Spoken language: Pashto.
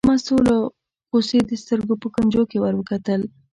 مستو له غوسې د سترګو په کونجو کې ور وکتل.